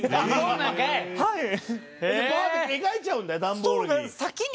バーッて描いちゃうんだダンボールに。